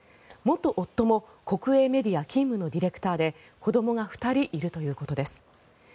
元夫も国営メディア勤務のディレクターで子どもが２人いるということです。